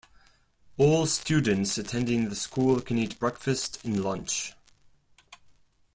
All students attending the school can eat breakfast and lunch.